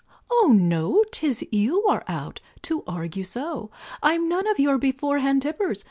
"Oh no 'Tis you are out, to argue so; I'm none of your before hand tippers.